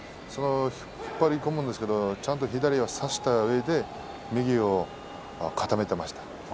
引っ張り込むんですけども左を差したうえで右を固めていましたね。